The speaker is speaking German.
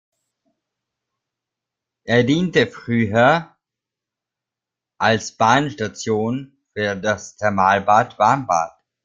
Er diente früher als Bahnstation für das Thermalbad Warmbad.